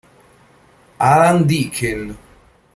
Alan Deakin